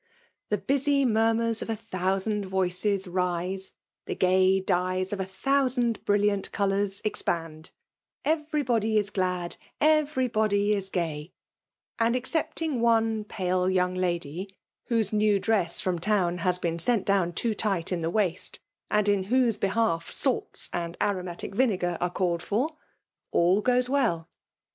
The busy nurmurs of a thousand Yoices rise ; the gay dyes of a thousand brilliant coloucs expand ; every body is glad« every body is gay ; and, except* ifl^ one pale young lady, whose new dress from town has been sent down too tight in the waist, and in whose behalf salts and aromatic FEMAI.E DOMINATION. SO vinegar are called for> all goes well.